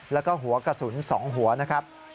แล้วก็หัวกระสุน๒หัวนะครับ